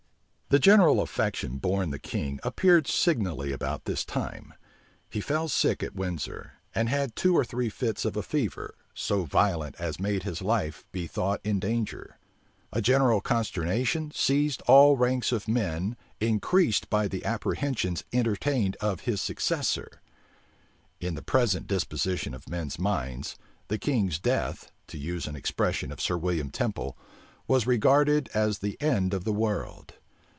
The general affection borne the king appeared signally about this time. He fell sick at Windsor; and had two or three fits of a fever, so violent as made his life be thought in danger. A general consternation seized all ranks of men increased by the apprehensions entertained of his successor In the present disposition of men's minds, the king's death, to use an expression of Sir William Temple,[] was regarded as the end of the world.